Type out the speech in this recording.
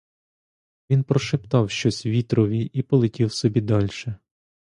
Він прошептав щось вітрові і полетів собі дальше.